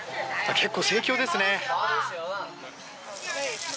結構、盛況ですね。